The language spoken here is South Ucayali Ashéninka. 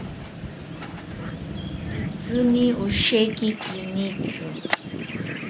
Itzimi osheki kinitzi